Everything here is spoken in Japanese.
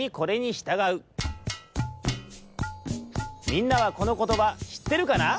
みんなはこのことばしってるかな？